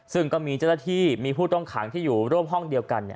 ซึ่งก็มีเจ้าหน้าที่มีผู้ต้องขังที่อยู่ร่วมห้องเดียวกัน